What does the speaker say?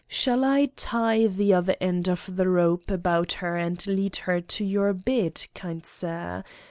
Shall I tie the other end of the rope about her and lead her to your bed, kind sir?